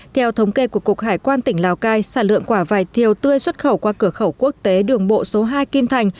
theo thống kê của cục hải quan tỉnh lào cai sản lượng quả vải thiều tươi xuất khẩu qua cửa khẩu quốc tế đường bộ số hai kim thành